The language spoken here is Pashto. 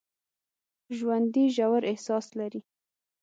ژوندي ژور احساس لري